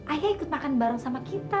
ayah ikut makan bareng sama kita